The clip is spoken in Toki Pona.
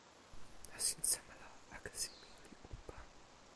nasin seme la akesi ni li unpa?